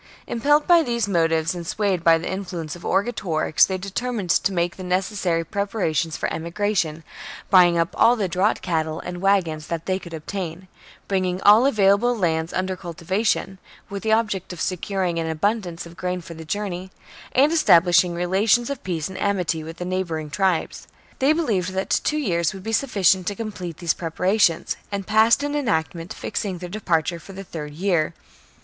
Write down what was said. ^. Impelled by these motives and swayed by TheHeivetn 1 . n r r^ 1 prepare to the mnuence of Orgetonx, they determmed to emigrate ... into Gaul: make the necessary preparations for emigration, Orgetorix's 1, ,, 1 1 , intrigues. buymg up all the draught cattle and wagons that they could obtain, bringing all available lands under cultivation, with the object of securing an abundance of grain for the journey, and estab lishing relations of peace and amity with the neighbouring tribes. They believed that two years would be sufficient to complete these pre parations, and passed an enactment fixing their departure for the third year.